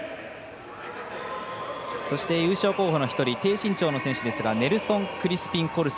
そして優勝候補の１人低身長の選手ですがネルソン・クリスピンコルソ。